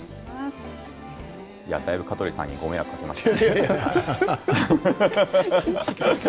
だいぶ香取さんにご迷惑をおかけしました。